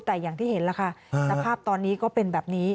แต่อย่างที่เห็นแล้วค่ะสภาพตอนนี้ก็เป็นแบบนี้